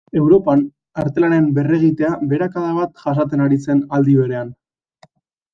Europan artelanen berregitea beherakada bat jasaten ari zen aldi berean.